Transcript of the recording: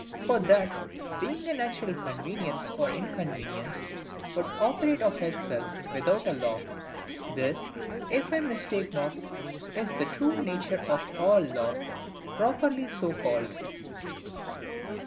For that, being a natural convenience or inconvenience, would operate of itself, without a law. This, if I mistake not, is the true nature of all law, properly so called.